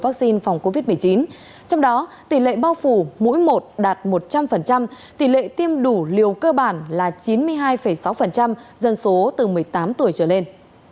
trong đó tỷ lệ bao phủ mỗi một đạt một trăm linh tỷ lệ tiêm đủ liều cơ bản là chín mươi hai sáu dân số từ một mươi tám tuổi trở lên